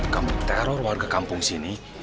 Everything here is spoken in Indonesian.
kampung teror warga kampung sini